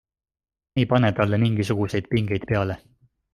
Me ei pane talle mingisuguseid pingeid peale.